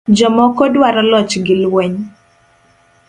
Jomoko dwaro loch gi lweny